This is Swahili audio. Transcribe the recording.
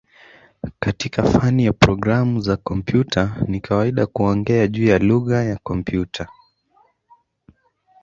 Katika fani ya programu za kompyuta ni kawaida kuongea juu ya "lugha ya kompyuta".